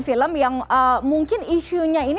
oke ini ada yang lagi yang ingin kita bicarakan